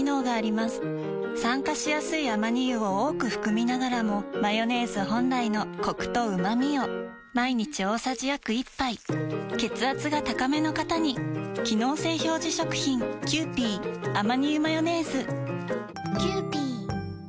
酸化しやすいアマニ油を多く含みながらもマヨネーズ本来のコクとうまみを毎日大さじ約１杯血圧が高めの方に機能性表示食品覆个△